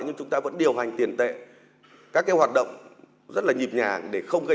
nhưng chúng ta vẫn điều hành tiền tệ